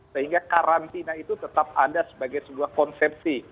sehingga karantina itu tetap ada sebagai sebuah konsepsi